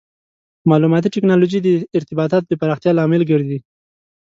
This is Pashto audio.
مالوماتي ټکنالوژي د ارتباطاتو د پراختیا لامل ګرځي.